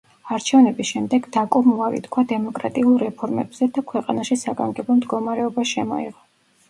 არჩევნების შემდეგ დაკომ უარი თქვა დემოკრატიულ რეფორმებზე და ქვეყანაში საგანგებო მდგომარეობა შემოიღო.